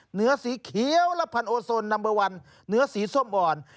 เหนือสีเขียวและพันโอโซนนัมเบอร์วันเหนือสีส้มอ่อน